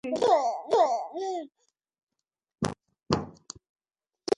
ওহ, hey, বাছা।